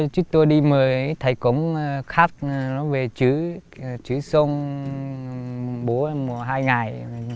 chúng tôi đi mời thầy cống khách về chứa sông bố mùa hai ngày